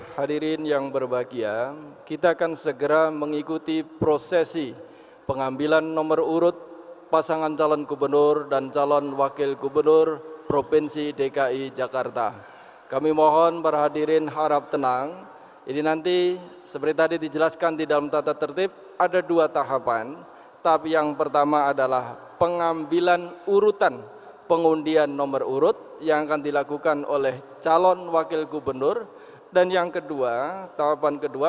kepada mc dipersilahkan untuk memandu prosesi pengambilan nomor urut itu